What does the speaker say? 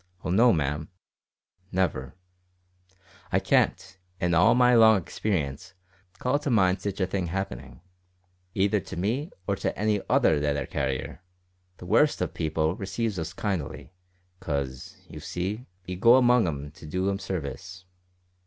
"Well, no, ma'am never. I can't, in all my long experience, call to mind sitch a thing happenin' either to me or to any other letter carrier. The worst of people receives us kindly, 'cause, you see, we go among 'em to do 'em service.